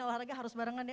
olahraga harus barengan ya